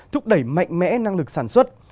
thúc đẩy mạnh mẽ năng lực sản xuất